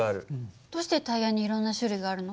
どうしてタイヤにいろんな種類があるの？